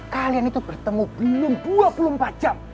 kalian itu bertemu belum dua puluh empat jam